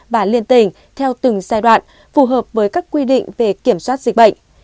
và liên tình theo từng giai đoạn phù hợp với các quy định về kiểm soát dịch bệnh